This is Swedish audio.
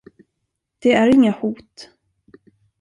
Det är inga hot.